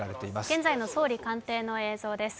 現在の総理官邸の映像です。